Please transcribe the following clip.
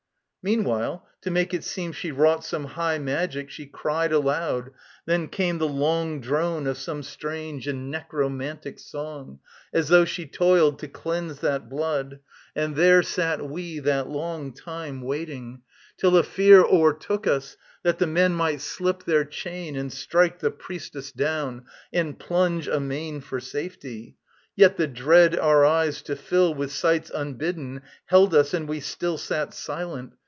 Meanwhile to make it seem she wrought some high Magic, she cried aloud: then came the long Drone of some strange and necromantic song, As though she toiled to cleanse that blood; and there Sat we, that long time, waiting. Till a fear O'ertook us, that the men might slip their chain And strike the priestess down and plunge amain For safety: yet the dread our eyes to fill With sights unbidden held us, and we still Sat silent.